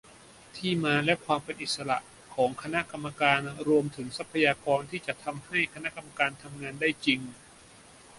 ที่มาและความเป็นอิสระของคณะกรรมการ รวมถึงทรัพยากรที่จะทำให้คณะกรรมการทำงานได้จริง